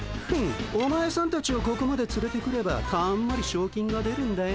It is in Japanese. お前さんたちをここまでつれてくればたんまりしょう金が出るんだよ。